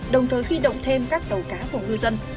đồng thời huy động thêm các tàu cá của ngư dân